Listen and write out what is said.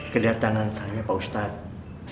kedatangan saya pak ustadz